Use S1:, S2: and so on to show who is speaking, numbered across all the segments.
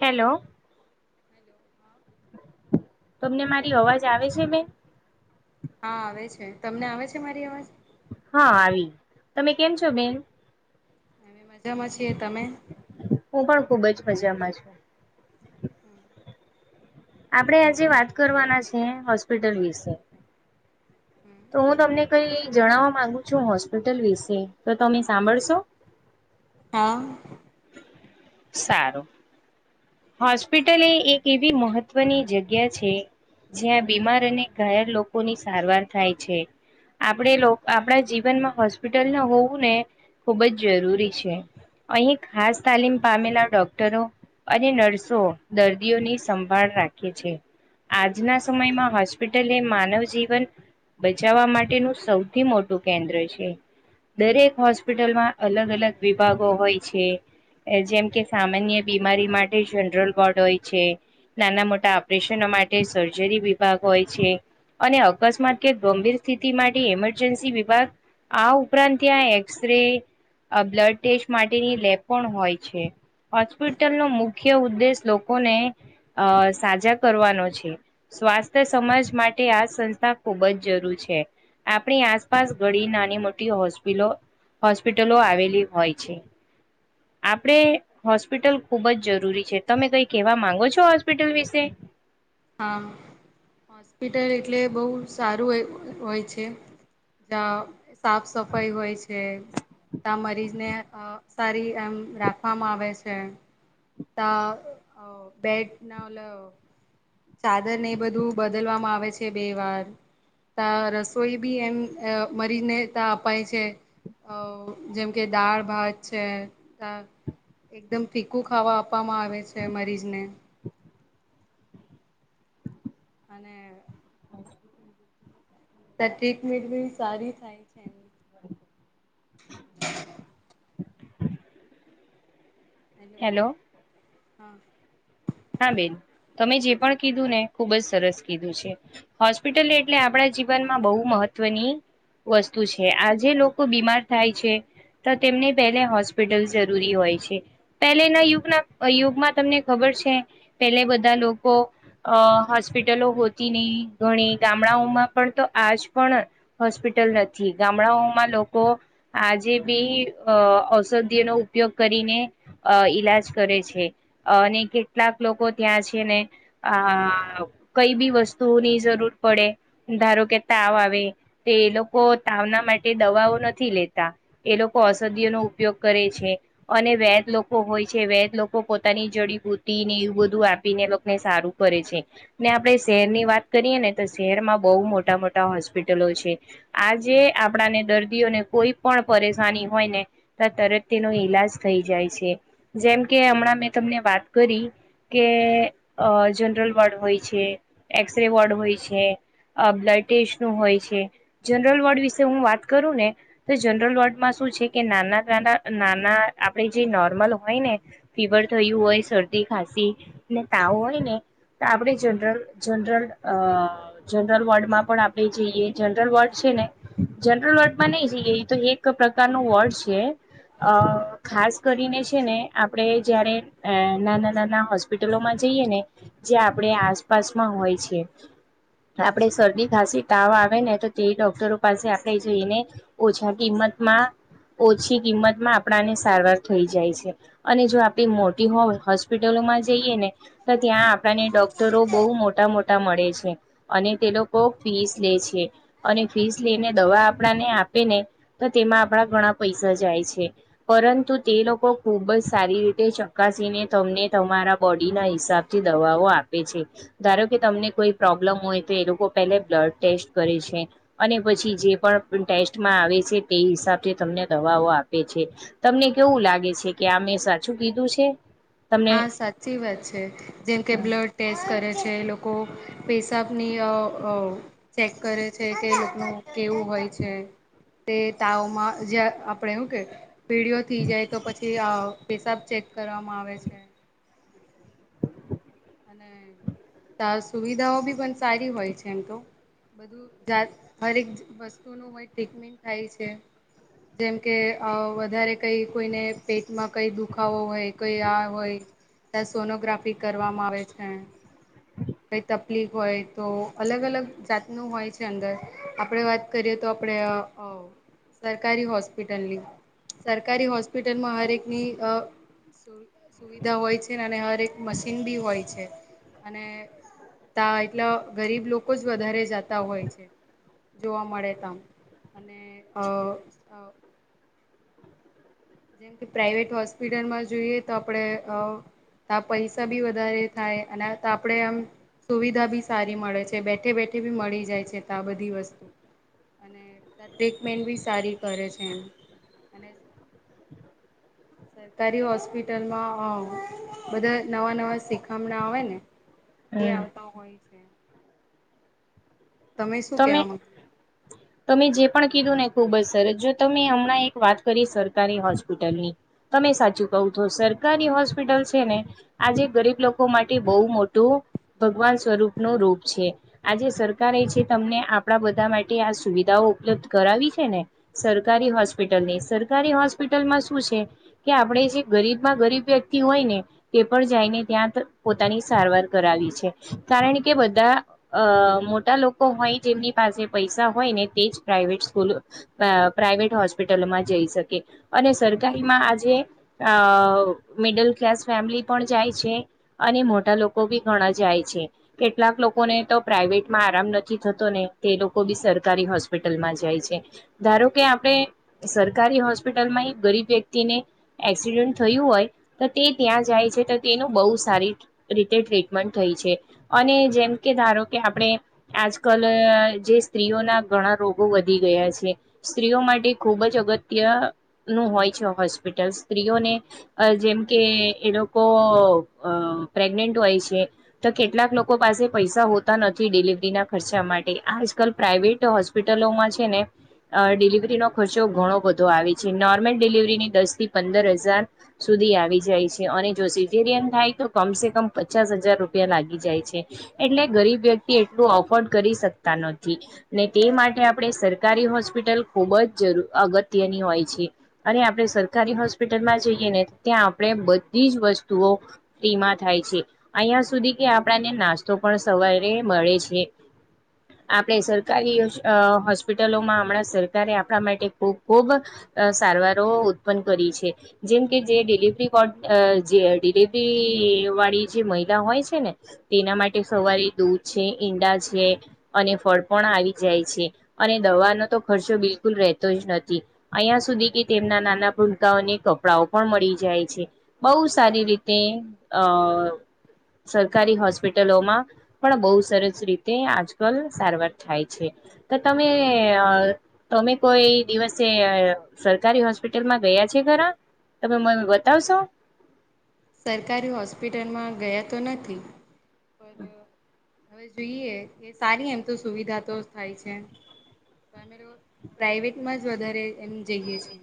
S1: Hello
S2: hello હા [inaudible]
S1: તમને મારી અવાજ આવે છે બેન
S2: હા આવે છે તમને આવે છે મારી અવાજ
S1: હા આવી તમે કેમ છો બેન
S2: અમે મજામાં છી તમે
S1: હું પણ ખુબ જ મજામાં છે
S2: હમ [inaudible]
S1: આપડે આજે વાત કરવાના છે હોસ્પિટલ વિશે તો હું તમને કઈ જણાવવા માંગુ છું હોસ્પિટલ વિશે તો તમે સાંભળશો [inaudible] [inaudible]
S2: હા
S1: સારું હોસ્પિટલ એ એક એવી મહત્વની જગ્યા છે જ્યાં બીમાર અને ઘાયલ લોકો ની સારવાર થાય છે આપણે લોગ આપણા જીવનમાં હોસ્પિટલ ના હોવું ને ખુબ જ જરૂરી છે અહીં ખાસ તાલીમ પામેલા ડોક્ટરો અને નર્સો દર્દીઓની સંભાળ રાખે છે આજના સમયમાં હોસ્પિટલે માનવ જીવન બચાવવા માટેનું સૌથી મોટું કેન્દ્ર છે દરેક હોસ્પિટલમાં અલગ અલગ વિભાગો હોય છે જેમ કે સામાન્ય બીમારી માટે જનરલ વોર્ડ હોય છે નાના મોટા ઓપરેશનો માટે સર્જરી વિભાગ હોય છે અને અકસ્માત કે ગંભીર સ્થિતિ માટે ઇમરજન્સી વિભાગ આ ઉપરાંત ત્યાં એક્સ રે અ બ્લડ ટેસ્ટ માટેની લેબ પણ હોય છે હોસ્પિટલનો મુ મુખ્ય ઉદ્દેશ લોકોને અ સાજા કરવાનો છે સ્વાસ્થ્ય સમાજ માટે આ સંસ્થા ખૂબ જ જરૂર છે આપણી આસપાસ ઘડી નાની મોટી હોસ્પિટલો હોસ્પિટલો આવેલી હોય છે આપણે હોસ્પિટલ ખુબ જ જરૂરી છે તમે કઈ કેહેવા માંગો છો હોસ્પિટલ વિશે
S2: હા હોસ્પિટલ એટલે બહુ સારું હોય છે જ સાફ સફાઈ હોય છે ત્યા મરીજને સારી એમ રાખવામાં આવે છે ત અ બેટ ના ઓલ ચાદર ને એ બધું બદલવામાં આવે છે બે વાર ત રસોઈ બી એમ અ મરીજને ત અપાય છે અ જેમ કે દાળ ભાત છે એકદમ ફીકું ખાવા આપવામાં આવે છે મરીજને અને ત્યા ટ્રીટમેન્ટ બી સારી થાય છે એમ હેલો
S1: હેલોવ
S2: હા
S1: હા બેન તમે જે પણ કીધું ને ખુબ જ સરસ કીધું છે હોસ્પિટલ એટલે આપડે જીવનમાં બહુ મહત્વની વસ્તુ છે આજે લોકો બીમાર થાય છે. તો તેમને પહેલે હોસ્પિટલ જરૂરી હોય છે પહેલે ના યુગના યુગમાં તમને ખબર છે પેલે બધા લોકો અ હોસ્પિટલો હોતી ની ઘણી ગામડાઓમાં પણ તો આજ પણ હોસ્પિટલ નથી ગામડાઓમાં લોકો આજે બી અ ઔષધિનો ઉપયોગ કરીને ઈલાજ કરે છે અને કેટલાક લોકો ત્યાં છે ને આ કઈ બી વસ્તુની જરૂર પડે ધારો કે તાવ આવે તો એ લોકો તાવના માટે દવાઓ નથી લેતા એ લોકો ઔષધિ નો ઉપયોગ કરે છે અને વેદ લોકો હોય છે વેદ લોકો પોતાની જડીબૂત ને એવું બધું આપીને લોકોને સારું કરે છે, ને આપણે શહેર ની વાત કરીએ ને તો શહેરમાં બહુ મોટા મોટા હોસ્પિટલો છે આજે આપણાને દર્દીઓને કોઈ પણ પરેશાની હોયને તરત તેનો ઈલાજ થઈ જાય છે, જેમ કે હમણાં મેં તમને વાત કરી કે જનરલ વોર્ડ હોય છે એક્સ રે વોર્ડ હોય છે બ્લડ ટેસ્ટ નું હોય છે, જનરલ વોર્ડ વિશે હું વાત કરું ને તો જનરલ વોર્ડમાં શું છે કે નાના, નાના, નાના, આપણે જે નોર્મલ હોય ને ફીવર થયું હોય શ શરદી, ખાંસીખ ને તાવ હોય ને તો આપણે જરલ જનરલ જ જનરલવોર્ડ પણ આપણેે જઈએ જનરલ વોર્ડ છે ને જનરલ વોર્ડ માં નહી જઈએ તો એક પ્રકાર ન વોર્ડ છે અ ખાસ કરીને છે ને આપડે જયારે અ નાના, નાના હોસ્પિટલોમાં જઈએ ને જે આપડ આસપાસમાં હોય છે આપણે શરદી, ખાંસી, તાવ, આવે ને તો તે ડોક્ટરો પાસે આપણે જોઈને ઓછા કિંમત ત્મા ઓછી કિંમત માં આપણાને સારવાર થઈ જાય છે અને જો આપડી મોટી હોય હોસ્પિટલોમાં જઈએ ને તો ત્યાં આપણને ડોક્ટરો બહુ મોટા મોટા મળે છે અને, તે લોકો ફીસ લે છે અને ફીસ લઈને દવા આપણાને આપે ને તો તેમાં આપણા ઘણા પૈસા જાય છે પરંતુ તે લોકો ખુબ જ સારી રીતે ચકાસીને તમને તમારા બોડીના હિસાબથી દવાઓ આપે છે, ધારો કે તમને કોઈ પ્રોબ્લમ હોય લોકો પેબ્લડ ટેસ્ટ કરે છે અને પછી જે પણ ટેસ્ટમાં આવે છે તે હિસાબ થી તમને દવાઓ આપે છે તમને કેવું લાગે છે કે આ મેં સાચું કીધું છે તમને
S2: હા, સાચી વાત છે જેમ કે બ્લડ ટેસ્ટ કરે છે લોકો પેશાબની અ ચેક કરે છે કે લોકોનું કેવું હોય છે તે તાવમાં જ આપણે હું કે ભેડીઓ થઈ જાય તો પછી પસાબ ચેક કરવામાં આવે છે અને ત સુવિધાઓ બી પણ સારી હોય છે એમ તો બધુંત હરેક વસ્તુ ન હો ટ્રીટમેન્ટ થાય છે જેમ કે વધારે કઈ કોઈને પેટમાં કઈ દુખાવો હોય કોઈ આ હોય ત્યા સોનોગ્રાફી કરવામાં આવે છે કઈ તકલીફ હોય તો અલગ અલગ જાતનું હોય છે અંદર આપડે વાત કરીએ તો કપડ્યા આવ સરકારી હોસ્પિટલની સરકારી હોસ્પિટલમાં હરેકની સુ સુવિધા હોય છે ને અને હર એક મશીન બી હોય છે અને તા એટલે ગરીબ લોકો જ વધારે જાતા હોય છે. જોવા મળે તમ અને અ જેમ કે પ્રાાઈવેટ હોસ્પિટલમાં જોઈએ તો આપડે અ તા પૈસા બી વધારે થાય અને આપણેે આમ સુવિધા બી સારી મળે છે બેઠે બેઠે બી મળી જાય છે તા આ બધી વસ્તુ અને ટ્રીટમેન્ટ બી સારી કરે છે એમ અને સરકારી હોસ્પિટલમાં બધા નવા નવા શિખામણા આવે ને એ
S1: હમ
S2: આવતા હોય છે. તમે શું કેવામા
S1: તમે જે પણ કીધું ને ખુબ જ સર જો તમે હમણાં એક વાત કરી સરકારી હોસ્પિટલની તમે સાચું કહું છો સરકારી હોસ્પિટલ છે ને આજે ગરીબ લોકો માટે બહુ મોટું ભગવાન સ્વરૂપ નો રૂપ છે આજે સરકાર એ છે. તમને આપણા બધા માટે આ સુવિધાઓ ઉપલબ્ધ કરાવી છે ને સરકારી હોસ્પિટલ ની સર સરકારી હોસ્પિટલમાં શું છે કે આપણે જે ગરીબમાં ગરીબ વ્યક્તિ હોય ને તે પણ જાયને ત્યાં પોતાની સારવાર કરાવી છે કારણ કે બધા અ મોટા લો કો હોય જેમની પાસે પૈસા હોય ને તે જ પ્રાઇવેટ સ્કૂલો અ પ્રાઇવેટ હોસ્પિટલમાં જે જઈ શકે સરકારીમાં આજે અ મિડલ ક્લાસ ફેમિલી પણ જાય છે અને મોટા લોકો ભી ઘણા જાય છે કેટલાક લોકોને તો પ્રાઈવેટ માં આરામ ન થી થતો ને તે લોકો બી સરકારી હોસ્પિટલમાં જાય છે ધારો કે આપણે સરકાર રી હોસ્પિટલમાં એક ગરીબ વ્યક્તિને એક્સિડન્ટ થયું હોય તો તે ત્યાં જાય છે તો તેનું બહુ સારી રીતે ટ્રીટમેન્ટ થઈ છે અને જેમ કે ધારો કે આપણે આજ કલ જે સ્ત્રીઓના ઘણા રોગો વધી ગયા છે સ્ત્રીઓ માટે ખુબ જ અગત્ય નું હોય છે હોસ્પિટલ સ્ત્રીઓને જેમ કે એ લોકો પ્રેગનેન્ટ હોય છે તો કેટલાક લોકો પાસે પૈસા હોતા નથી ડિલિવ રિ ના ખર્ચા માટે આજકાલ પ્રાઇવેટ હોસ્પિટલોમાં છે ને ડિલિવરીનો ખર્ચો ઘ ઘો બધો આવે છે નોર્મલ ડિલિવરીને દસ થી પંદર હજાર સુધી આવી જાય છે અને જો સી ઝેરિયન થાય તો કમ સે કમ પચાસ હજાર રૂપિયા લાગી જાય છે એટલે ગરીબ વ્યક્તિ એફોર્ડ કરી શકતા નથી ને તે માટે આપણે સરકારી હોસ્પિટલ ખૂબ જ અગ ત્ય ની હોય છે અને આપણે સરકારી હોસ્પિટલમાં જઈએ ને ત્યાં આપણે બધી જ વસ્તુઓ ફ્રી માં થાય છે અહિયા સુધી કે આપને નાસ્તો પણ સવારે મળે છે. જે આપણે સરકારી અ હોસ્પિટલોમાં હમણાં સરકારે આપણા માટે ખૂબ ખુબ અ સારવારો ઉત્પન્ન કરી છે જેમ કે જે ડિલવરી હોટ જે ડિલિવરી વાળી જે મહિલા હોય છે ને તેના માટે સવારે દૂધ છે. ઈંડા છે અને ફળ પણ આવી જાય છે અને દવા નો તો ખર્ચો બિલકુલ રહેતોય નથી અહિયા સુધી કે તેમના નાના ભૂલકાઓને કપડાઓ પણ મળી જાય છે બઉ સારી રીતે અ સરકારી હોસ્પિટલોમાં પણ બહુ સરસ રીતે આજકાલ સારવાર થાય છે તો તમે અ તમે કોઈ દિવસે સરકારી હોસ્પિટલમાં ગયા છે ખરા તમે મન બતાવશો.
S2: સરકારી હોસ્પિટલમાં ગયા તો નથી. હવે જોઈએ કે સારી એમ તો સુવિધા તો થાય છે. અમે પ્રાઈવેટમાં જ વધારે એમ જઈએ છીએ.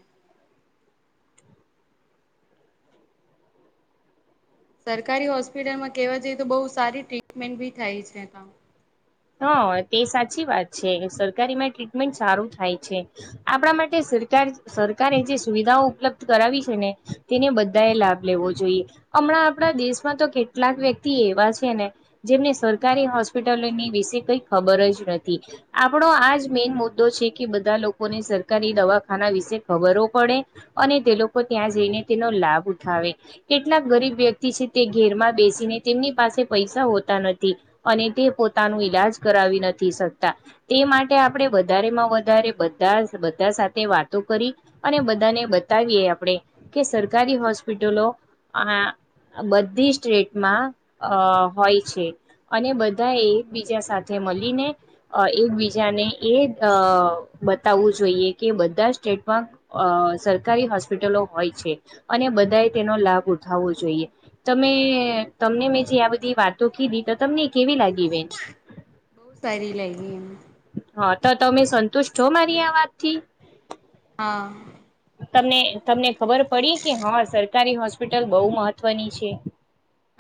S2: સરકારી હોસ્પિટલમાં કેવા જઈએ તો બઉ સારી ટ્રીટમેન્ટ ભી થાય છે હ
S1: હ તે સાચી વાત છે સરકારીમાં ટ્રીટમેન્ટ સારું થાય છે આપણા માટે સરકાર સરકારે જે સુવિધાઓ ઉપલબ્ધ કરાવી છે ને તેને બધા એ લાભ લેવો જોઈએ. હમણાં આપણા દેશમાં તો કેટલાક વ્યક્તિ એવા છે ને જેમને સરકારી હોસ્પિટલોની વિશ જે કઈ ખબર જ નથી આપણો આજ મેન મુદ્દો છે કે બધા લોકોને સરકારી દવા ખાના વિશે ખબરો પડે અને તે લોકો ત્યાં જઈને તેનો લાભ ઉઠાવે કેટલાક ગરીબ વ્યક્તિ છે તે ઘેરમાં બેસીને તેમની પાસે પૈસા હોતા નથી અને તે પોતાનું ઈલાજ કરાવી નથી શકતા તે માટે આપડે વધારેમાં વધારે બધા બધા સાથે વાતો કરી અને બધાને બતાવીએ આપણે કે સરકારી હોસ્પિટલો અ હા. બધી સ્ટેટમાં અ હોય છે, અને બધા એ એક બીજા સાથે મલીને અ એકબીજાને એ અ બતાવવું જોઈએ કે બધા સ્ટેટમાં અ સરકારી હોસ્પિટલો હોય છે અને બધાએ તેનો લાભ ઉઠા વો જોઈએ, તમે તમને મેં જે આ બધી વાતો કીધી તો તમને કેવી લાગી બેન.
S2: બહુ સારી લાઈગી અમને.
S1: હા તો તમે સંતુષ્ટ છો મારી આ વાતથી.
S2: હા.
S1: તમને તમને ખબર પડી કે હ અ સર કારી હોસ્પિટલ બહુ મહત્વની છે.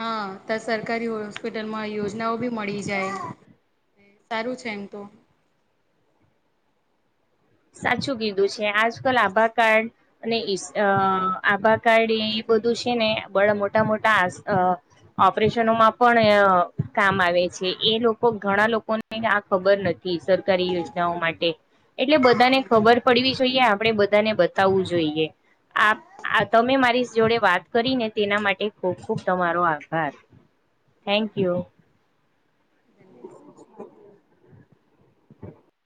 S2: હા તો સરકારી હોસ્પિટલમાં યોજનાઓ બી મળી જાય. સારું છે એમ તો.
S1: સાચું કીધું છે આજકાલ આભાર કાર્ડ અને એસ અ આભાર [unintelligible] એ બધું છે ને બા મોટા મોટા આસ અ ઓપરેશનો માં પણ અ કામ આવે છે એ લોકો ઘણા લોકોને આ ખબર ન સરકારી યોજનાઓ માટે એટલે બધાને ખબર પડવી તો [unintelligible] યા આપણેે બધાને બતાવવું જોઈએ. આ તમે મારી જોડે વાત કરી ને તેના માટે ખૂબ ખૂબ તમારો આભાર થેન્ક
S2: હા
S1: યુ
S2: ધન્યવાદ.